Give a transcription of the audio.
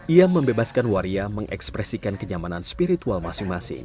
ia membebaskan waria mengekspresikan kenyamanan spiritual masing masing